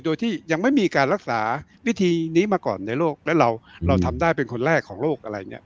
โดยที่ยังไม่มีการรักษาวิธีนี้มาก่อนในโลกและเราทำได้เป็นคนแรกของโลกอะไรเนี่ย